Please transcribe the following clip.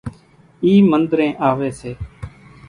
اِي منۮرين آوي سي